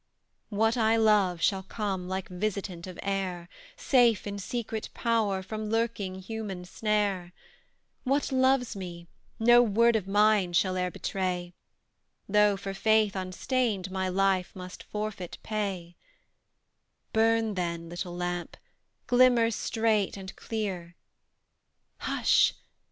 What I love shall come like visitant of air, Safe in secret power from lurking human snare; What loves me, no word of mine shall e'er betray, Though for faith unstained my life must forfeit pay Burn, then, little lamp; glimmer straight and clear Hush!